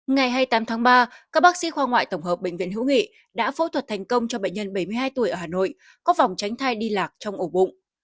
ngày hai mươi tám tháng ba các bác sĩ khoa ngoại tổng hợp bệnh viện hữu nghị đã phẫu thuật thành công cho bệnh nhân bảy mươi hai tuổi ở hà nội có phòng tránh thai đi lạc trong ổ bụng